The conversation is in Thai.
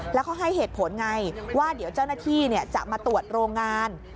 แล้วเขาให้เหตุผลไงว่าเดี๋ยวเจ้าหน้าที่จะมาตรวจโรงงาน